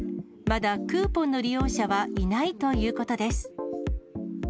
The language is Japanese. まだクーポンの利用者はいないということです。